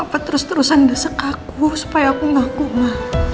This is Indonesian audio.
papa terus terusan desek aku supaya aku ngaku ma